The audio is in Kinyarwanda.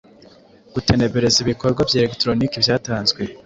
Gutenbereza ibikorwa bya elegitoroniki byatanzwe